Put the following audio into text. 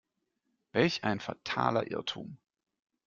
Welch ein fataler Irrtum!